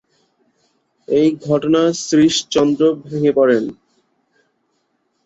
এই ঘটনার শ্রীশচন্দ্র ভেঙ্গে পড়েন।